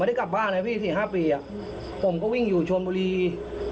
ย้าไปไปอยู่ชมพุฏิ๔ปี